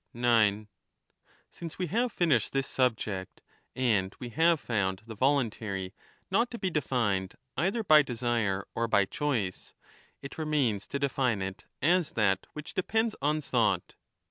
9 Since we have finished this subject, and we have found 1225* the voluntary' not to be defined either by desire or by choice, it remains to define it as that which depends on thought.